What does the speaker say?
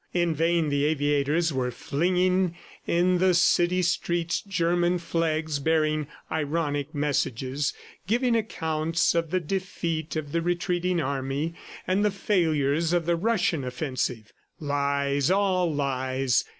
In vain the aviators were flinging in the city streets German flags bearing ironic messages, giving accounts of the defeat of the retreating army and the failures of the Russian offensive. Lies, all lies!